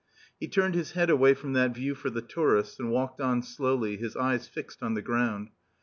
He turned his head away from that view for the tourists, and walked on slowly, his eyes fixed on the ground.